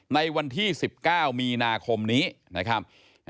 ในวันที่๑๙มีนาคมนี้นะครับ